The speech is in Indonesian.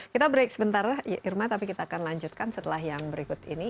kita break sebentar irma tapi kita akan lanjutkan setelah yang berikut ini